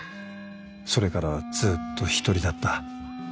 それからはずっと１人だった